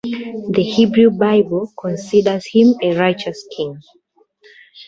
The Hebrew Bible considers him a righteous king.